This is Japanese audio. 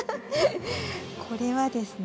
これはですね